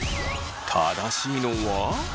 正しいのは。